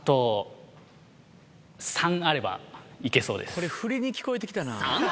これふりに聞こえて来たなぁ。